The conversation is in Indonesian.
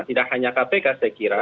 tidak hanya kpk saya kira